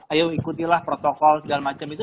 ayo ikutilah protokol segala macam itu